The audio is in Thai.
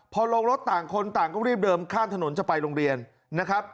พอลงรถต่างคนต่างก็รีบเดินข้ามถนนจะไปโรงเรียนนะครับ